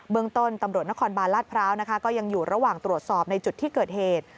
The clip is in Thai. เมืองต้นตำรวจนครบาลลาดพร้าวก็ยังอยู่ระหว่างตรวจสอบในจุดที่เกิดเหตุ